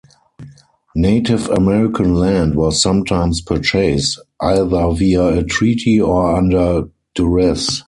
Native American land was sometimes purchased, either via a treaty or under duress.